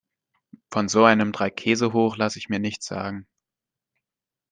Von so einem Dreikäsehoch lasse ich mir nichts sagen.